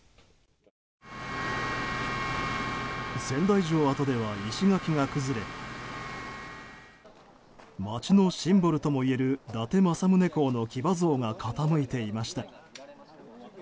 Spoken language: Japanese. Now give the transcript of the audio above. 仙台城跡では石垣が崩れ街のシンボルともいえる伊達政宗公の騎馬像が傾いていました。